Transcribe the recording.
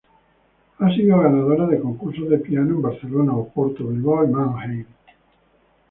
Ha sido ganadora de concursos de piano en Barcelona, Oporto, Bilbao y Mannheim.